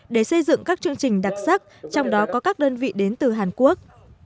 để xây dựng các chương trình đặc sắc trong đó có các đơn vị đến từ hàn quốc